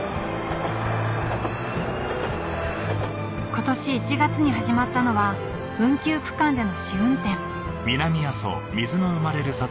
今年１月に始まったのは運休区間での試運転